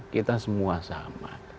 kita semua sama